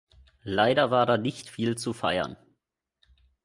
Leider war da nicht viel zu feiern.